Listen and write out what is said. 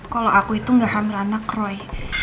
kalau aku itu gak hamil anak roy